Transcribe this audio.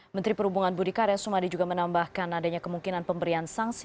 menteri perhubungan budi karya sumadi juga menambahkan adanya kemungkinan pemberian sanksi